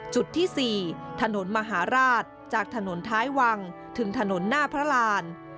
จุดที่๔ถนนมหาราชจากถนนท้ายวังถึงถนนหน้าพระราน